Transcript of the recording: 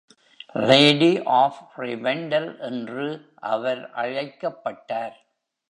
Lady of Rivendell என்று அவர் அழைக்கப்பட்டார்.